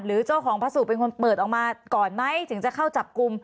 เจ้าของพระสุเป็นคนเปิดออกมาก่อนไหมถึงจะเข้าจับกลุ่ม